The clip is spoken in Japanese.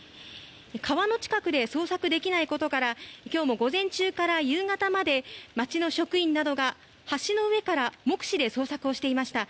川の近くで捜索できないことから今日も午前中から夕方まで町の職員などが橋の上から目視で捜索をしていました。